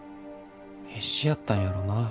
必死やったんやろな。